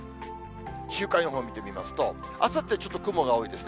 週間予報見てみますと、あさって、ちょっと雲が多いですね。